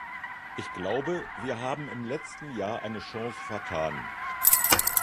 Ich glaube, wir haben im letzten Jahr eine Chance vertan.